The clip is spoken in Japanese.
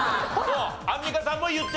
アンミカさんも言ってた。